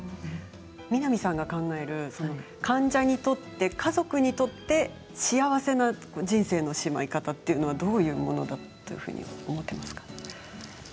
南さんが考える患者にとって、家族にとって幸せな人生のしまい方っていうのは、どういうものだというふうに思ってますか？